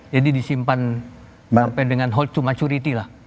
jadi disimpan sampai dengan hold to maturity lah